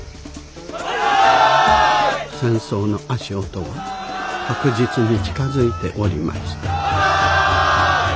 戦争の足音は確実に近づいておりました。